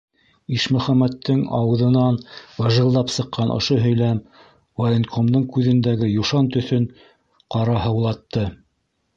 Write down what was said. - Ишмөхәмәттең ауыҙынан ғыжылдап сыҡҡан ошо һөйләм военкомдың күҙендәге юшан төҫөн ҡараһыулатты: